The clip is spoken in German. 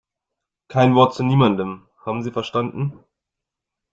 Kein Wort zu niemandem, haben Sie verstanden?